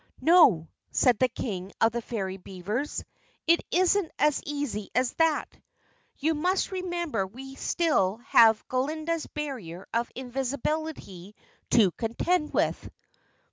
"No," said the King of the Fairy Beavers. "It isn't as easy as that. You must remember we still have Glinda's Barrier of Invisibility to contend with."